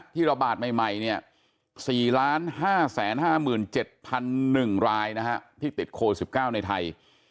ที่เราบาดใหม่เนี่ย๔๕๕๗๐๐๑รายนะฮะที่ติดโควิด๑๙ในไทย